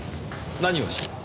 何をしに？